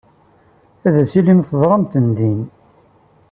Ad tilim teẓram-ten din.